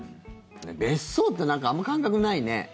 別荘ってあんま感覚ないね。